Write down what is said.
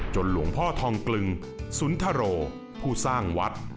หลวงพ่อทองกลึงสุนทโรผู้สร้างวัด